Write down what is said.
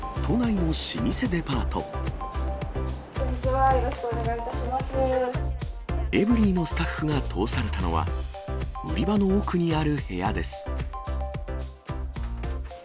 こんにちは、よろしくお願いエブリィのスタッフが通されたのは、売り場の奥にある部屋です。